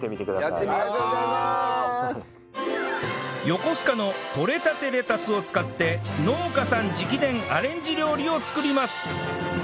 横須賀のとれたてレタスを使って農家さん直伝アレンジ料理を作ります